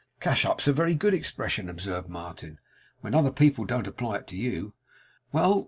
'Cash up's a very good expression,' observed Martin, 'when other people don't apply it to you. Well!